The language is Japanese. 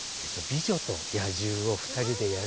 「美女と野獣」を２人でやるんですが。